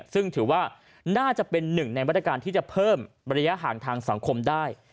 ซึ่งถือว่าน่าจะเป็นหนึ่งในมาตรการที่จะเพิ่มระยะห่างทางสังคมได้